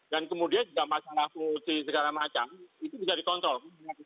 dan kemudian juga masalah produksi segala macam itu bisa dikontrol